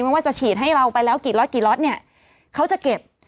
ไม่ว่าจะฉีดให้เราไปแล้วกี่ล็อตกี่ล็อตเนี่ยเขาจะเก็บ